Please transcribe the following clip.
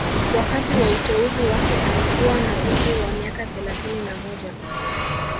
Wakati wa uteuzi wake alikuwa na umri wa miaka thelathini na moja